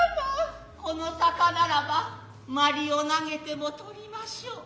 此の鷹ならば鞠を投げてもとりませう。